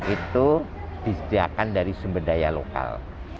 itu disediakan dari sumber daya lokal